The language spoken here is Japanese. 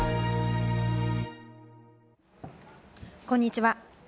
こんにちは。